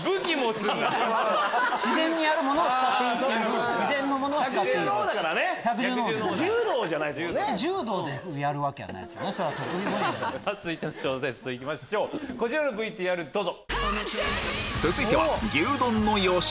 続いての小テスト行きましょうこちらのＶＴＲどうぞ。